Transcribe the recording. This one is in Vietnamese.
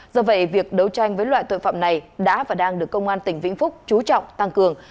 do vậy việc đấu tranh với loại tội phạm này đã và đang được công an tỉnh vĩnh phúc chú trọng tăng cường